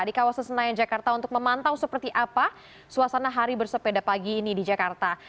di kawasan senayan jakarta untuk memantau seperti apa suasana hari bersepeda pagi ini di jakarta